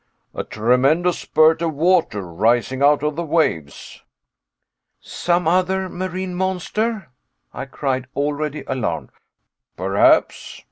"A tremendous spurt of water rising out of the waves." "Some other marine monster," I cried, already alarmed. "Perhaps."